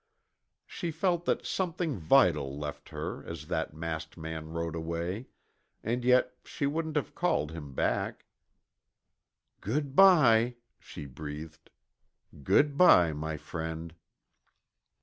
She felt that something vital left her as that masked man rode away, and yet she wouldn't have called him back. "Good by," she breathed, "good by, my friend."